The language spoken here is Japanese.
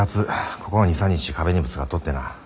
ここ２３日壁にぶつかっとってなぁ。